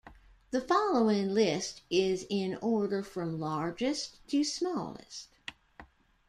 The following list is in order from largest to smallest.